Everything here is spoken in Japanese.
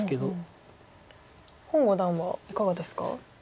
洪五段はいかがですか？